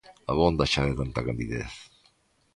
Abonda xa de tanta candidez.